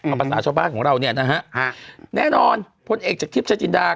เอาภาษาชาวบ้านของเราเนี่ยนะฮะแน่นอนพลเอกจากทิพย์ชายจินดา